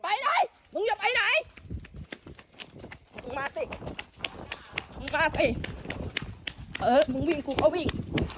ไปหน่อยมึงอย่าไปไหนมาสิมาสิเออมึงวิ่งกูเขาวิ่ง